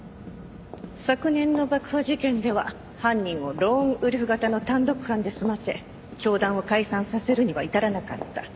昨年の爆破事件では犯人をローンウルフ型の単独犯で済ませ教団を解散させるには至らなかった。